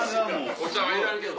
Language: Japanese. お茶はいらんけど。